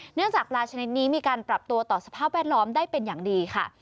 เนื่องจากปลาชนิดนี้มีการปรับตัวต่อสภาพแวดล้อมได้เป็นอย่างดีค่ะ